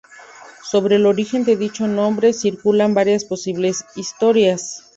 Sobre el origen de dicho nombre circulan varias posibles historias.